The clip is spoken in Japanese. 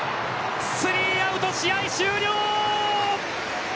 スリーアウト、試合終了！